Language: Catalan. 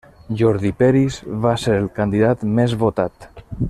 Jordi Peris va ser el candidat més votat.